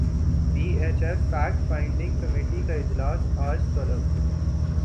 پی H F fact finding committee کا اجلاس اج طلب